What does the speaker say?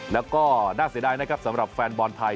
แล้วก็น่าเสียดายนะครับสำหรับแฟนบอลไทย